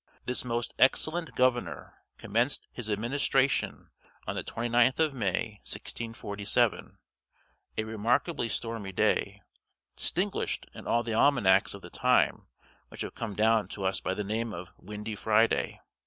This most excellent governor commenced his administration on the 29th of May, 1647; a remarkably stormy day, distinguished in all the almanacks of the time which have come down to us by the name of "Windy Friday."